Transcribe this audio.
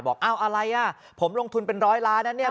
บอกอ้าวอะไรอ่ะผมลงทุนเป็นร้อยล้านนะเนี่ย